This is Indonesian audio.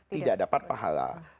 tidak dapat pahala